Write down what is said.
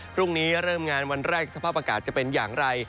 พรุ่งนี้เริ่มงานวันแรกสภาพอากาศจะเป็นอย่างไร